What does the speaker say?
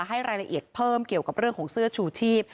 ให้รายละเอียดเพิ่มเกี่ยวกับเรื่องของเสื้อชูชีพ